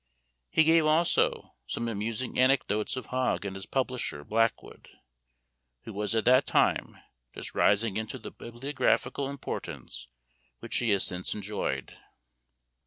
He gave, also, some amusing anecdotes of Hogg and his publisher, Blackwood, who was at that time just rising into the bibliographical importance which he has since enjoyed.